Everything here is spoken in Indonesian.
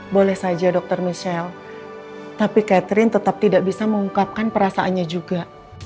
boleh saja dokter michelle tapi catherine tetap tidak bisa mengungkapkan perasaannya juga